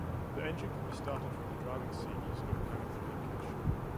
The engine could be started from the driving seat using a mechanical linkage.